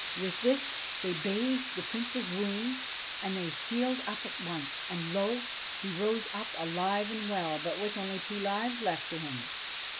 With this they bathed the Prince's wounds, and they healed up at once ; and lo, he rose up alive and well, but with only two lives left to him.